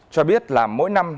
cho biết là mỗi năm